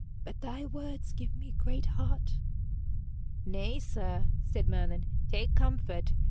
But thy words give me great heart.' 'Nay, sir,' said Merlin, 'take comfort.